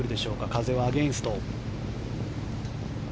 風はアゲンスト。